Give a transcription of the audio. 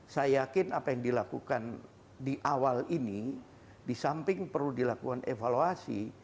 saya yakin apa yang dilakukan di awal ini di samping perlu dilakukan evaluasi